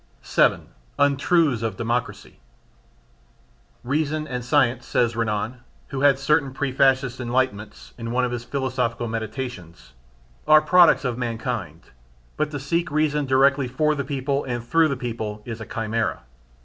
7. Untruths of Democracy. "Reason and science" says Renan (who had certain pre fascist enlightenments) in one of his philosophical meditations, "are products of mankind, but to seek reason directly for the people and through the people is a chimera.